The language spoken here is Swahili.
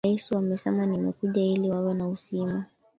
na yesu amesema nimekuja ili wawe na uzima